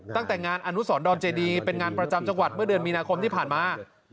ตั้งแต่งานอนุสรดอนเจดีเป็นงานประจำจังหวัดเมื่อเดือนมีนาคมที่ผ่านมา